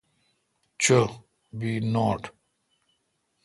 چو بی نوٹ۔